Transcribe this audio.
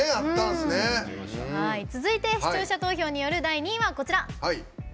続いて、視聴者投票による第２位。